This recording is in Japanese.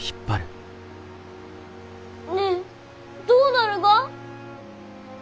ねえどうなるが？